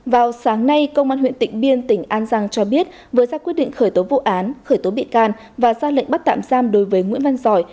vào sáng nay công an huyện tịnh biên tỉnh an giang cho biết vừa ra quyết định khởi tố vụ án khởi tố bị can và ra lệnh bắt tạm giam đối với nguyễn văn giỏi